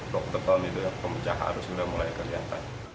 dokter dokter pembecahan harus sudah mulai kelihatan